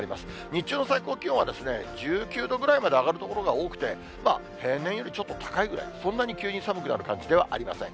日中の最高気温は１９度ぐらいまで上がる所が多くて、平年よりちょっと高いぐらい、そんなに急に寒くなる感じではありません。